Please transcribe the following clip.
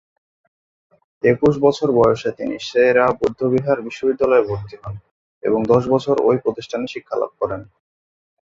একুশ বছর বয়সে তিনি সে-রা বৌদ্ধবিহার বিশ্ববিদ্যালয়ে ভর্তি হন এবং দশ বছর ঐ প্রতিষ্ঠানে শিক্ষালাভ করেন।